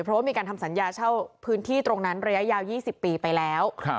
เพราะว่ามีการทำสัญญาเช่าพื้นที่ตรงนั้นระยะยาว๒๐ปีไปแล้ว